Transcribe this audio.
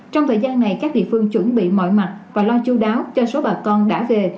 trong thời gian này các địa phương chuẩn bị mọi mặt và lo chú đáo cho số bà con đã về